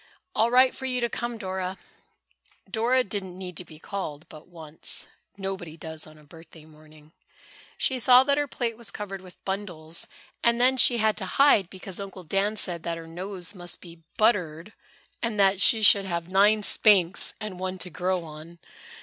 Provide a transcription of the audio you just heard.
"All right for you to come, Dora." Dora didn't need to be called but once. Nobody does on a birthday morning. She saw that her plate was covered with bundles, and then she had to hide because Uncle Dan said that her nose must be buttered and that she should have nine spanks, and one to grow on.